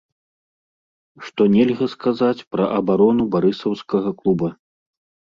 Што нельга сказаць пра абарону барысаўскага клуба.